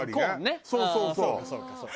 そうそうそう。